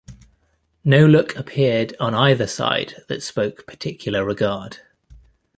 No look appeared on either side that spoke particular regard.